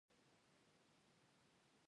بې نظمي بد دی.